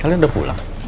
kalian udah pulang